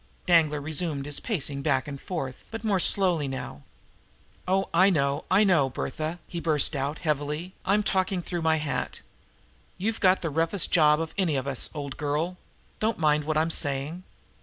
Danglar resumed his pacing back and forth, but more slowly now. "Oh, I know! I know, Bertha!" he burst out heavily. "I'm talking through my hat. You've got the roughest job of any of us, old girl. Don't mind what I'm saying.